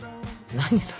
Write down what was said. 何それ。